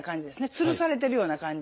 つるされてるような感じ。